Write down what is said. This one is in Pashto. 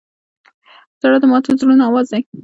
• ژړا د ماتو زړونو آواز دی.